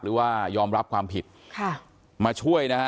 หรือว่ายอมรับความผิดค่ะมาช่วยนะฮะ